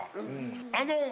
あの。